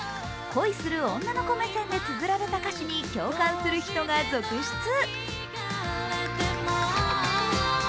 恋する女の子目線でつづられた歌詞に共感する人が続出。